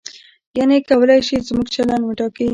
یعنې کولای شي زموږ چلند وټاکي.